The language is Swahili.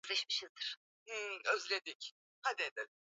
ilileta mara kadhaa sheria zilizolenga kuweka mipaka